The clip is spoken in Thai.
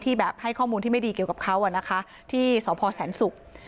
แบบให้ข้อมูลที่ไม่ดีเกี่ยวกับเขาอ่ะนะคะที่สพแสนศุกร์